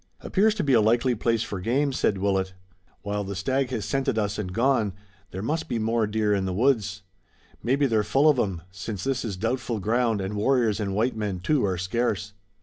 "Appears to be a likely place for game," said Willet. "While the stag has scented us and gone, there must be more deer in the woods. Maybe they're full of 'em, since this is doubtful ground and warriors and white men too are scarce."